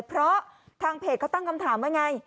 เพราะทางเพจเขาตั้งคำถามว่าไง